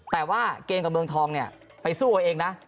แต่ว่าเกมกับเมืองทองเนี่ยไปสู้เอาเองนะ